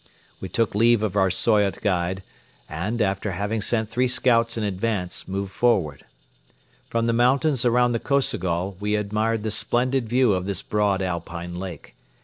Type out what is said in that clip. We took leave of our Soyot guide and, after having sent three scouts in advance, moved forward. From the mountains around the Kosogol we admired the splendid view of this broad Alpine lake.